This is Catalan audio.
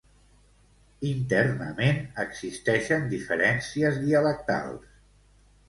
Internament, existeixen diferències dialectals.